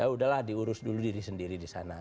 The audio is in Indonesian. udah lah diurus dulu diri sendiri di sana